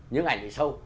nhưng ảnh lại sâu